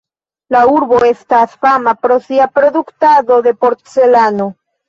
La urbo estas fama pro sia produktado de porcelano.